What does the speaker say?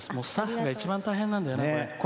スタッフが一番大変なんだよね。